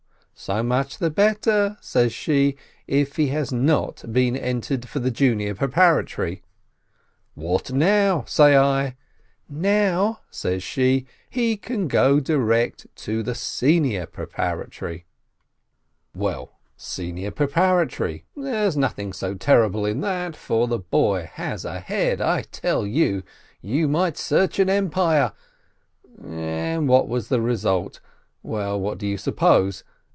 "So much the better," says she, "if he has not been entered for the Junior Preparatory." — "What now ?" say I. "Now," says she, "he can go direct to the Senior Preparatory." GYMNASIYE 165 Well, Senior Preparatory, there's nothing so terrible in that, for the boy has a head, I tell you ! You might search an empire And what was the result? Well, what do you suppose?